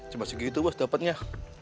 cuma segitu bos dapetnya